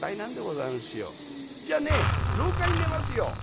「じゃあね廊下に寝ますよ」。